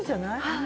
はい。